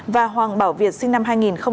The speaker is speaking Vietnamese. và hoàng bảo việt sinh năm hai nghìn hai